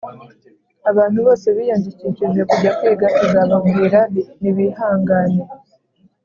Abantu bose biyandikishije kujya kwiga tuzababwira nibihangane